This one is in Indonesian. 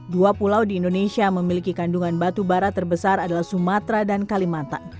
dua pulau di indonesia memiliki kandungan batu bara terbesar adalah sumatera dan kalimantan